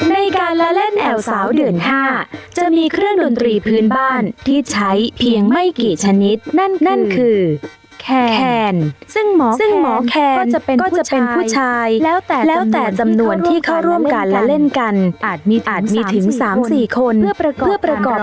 ในการละเล่นแอวสาวเดือน๕จะมีเครื่องดนตรีพื้นบ้านที่ใช้เพียงไม่กี่ชนิดนั่นคือแคนซึ่งหมอแคนก็จะเป็นผู้ชายแล้วแต่สำนวนที่เขาร่วมกันละเล่นกันอาจมีถึง๓๔คนเพื่อประกอบกัน